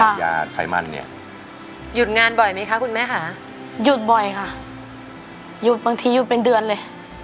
ยาไขมันเนี่ยหยุดงานบ่อยไหมคะคุณแม่ค่ะหยุดบ่อยค่ะหยุดบางทีหยุดเป็นเดือนเลย